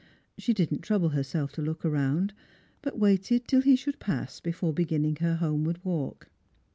She did not trouble herself to look round ; but waited tiiriie should pass before beginning her homeward walk.